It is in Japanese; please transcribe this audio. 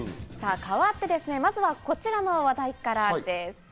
変わって、まずはこちらの話題からです。